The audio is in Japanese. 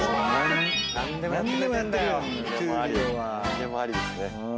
何でもありですね。